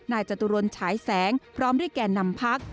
จตุรนฉายแสงพร้อมด้วยแก่นำพัก